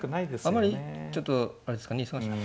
あまりちょっとあれですかね忙しい。